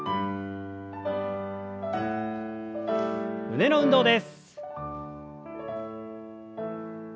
胸の運動です。